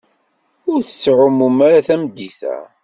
Ur tettɛumum ara tameddit-a.